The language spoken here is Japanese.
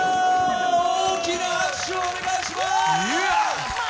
大きな拍手をお願いします。